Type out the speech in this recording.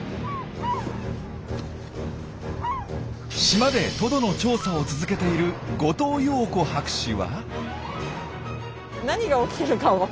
島でトドの調査を続けている後藤陽子博士は。